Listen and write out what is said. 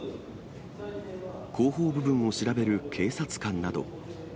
後方部分を調べる警察官など。